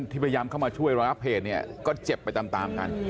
พยายามเข้ามาช่วยระงับเหตุเนี่ยก็เจ็บไปตามกัน